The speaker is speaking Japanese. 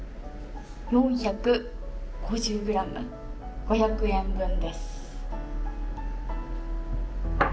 ４５０ｇ、５００円分です。